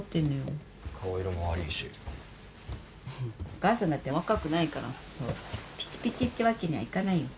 お母さんだって若くないからそうピチピチってわけにはいかないよ。